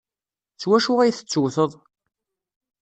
S wacu ay tettewteḍ?